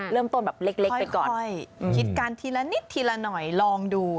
เริ่มต้นแบบเล็กไปก่อนคิดกันทีละนิดทีละหน่อยลองดู